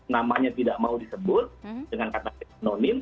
namanya tidak mau disebut dengan kata nonim